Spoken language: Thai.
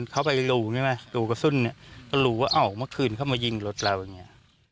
เขาไปรูกระสุนก็รู้ว่าเมื่อคืนเขามายิงรถเราอย่างนี้